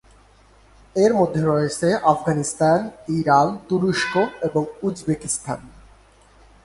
এর মধ্যে রয়েছে আফগানিস্তান, ইরান, তুরস্ক এবং উজবেকিস্তান।